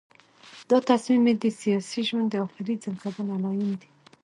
دا تصمیم یې د سیاسي ژوند د آخري ځنکدن علایم دي.